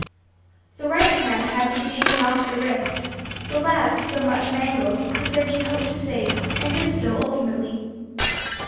The right hand had to be taken off at the wrist; the left, though much mangled, the surgeon hoped to save; and did so ultimately.